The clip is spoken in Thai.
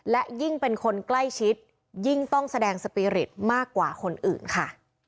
และยิ่งเป็นคนใกล้ชิดยิ่งต้องแสดงสปีริตมากกว่าคนอื่นค่ะ